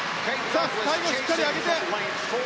最後しっかり上げて！